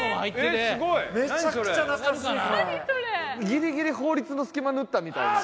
ギリギリ法律の隙間縫ったみたいな。